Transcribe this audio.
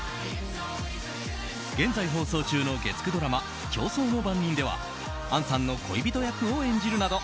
現在放送中の月９ドラマ「競争の番人」では杏さんの恋人役を演じるなど